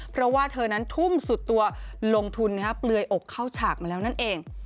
เพราะว่าเธอนั้นทุ่มสุดตัวลงทุนเปลือยอกเข้าฉากมาแล้วนั่นเอง